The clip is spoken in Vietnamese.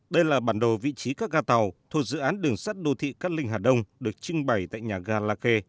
đây là bản đồ vị trí các ga tàu thuộc dự án đường sắt đô thị cát linh hà đông được trưng bày tại nhà ga la khê